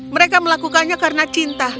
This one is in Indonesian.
mereka melakukannya karena cinta